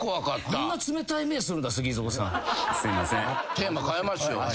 テーマかえます。